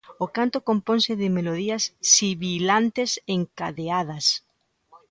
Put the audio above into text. O canto componse de melodías sibilantes encadeadas.